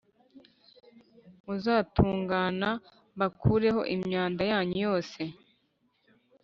Muzatungana mbakureho imyanda yanyu yose